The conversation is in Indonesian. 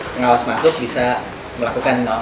pengawas masuk bisa melakukan